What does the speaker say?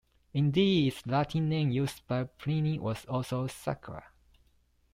Indeed, its Latin name used by Pliny was also "Sacra".